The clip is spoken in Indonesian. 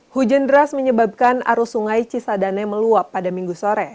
hujan deras menyebabkan arus sungai cisadane meluap pada minggu sore